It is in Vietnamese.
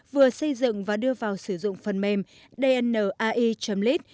vừa xây dựng và đưa vào sử dụng phần mềm dnai lit